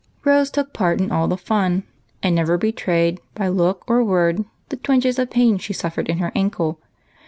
Rose took part in all the fun, and never betrayed by look or word the twinges of pain she suffered in 162 EIGHT COUSINS. her ankle.